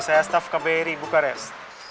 saya staff kbri bukares